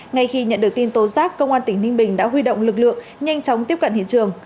ngay khi nhận được tin tố giác công an tỉnh ninh bình đã huy động lực lượng nhanh chóng tiếp cận hiện trường